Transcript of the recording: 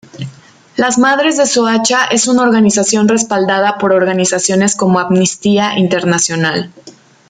Las Madres de Soacha es una organización respaldada por organizaciones como Amnistía Internacional.